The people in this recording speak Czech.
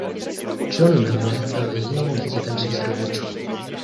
John Milne byl jediným dítětem svých rodičů.